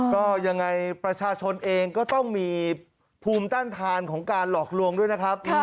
ก็ยังไงประชาชนเองก็ต้องมีภูมิต้านทานของการหลอกลวงด้วยนะครับ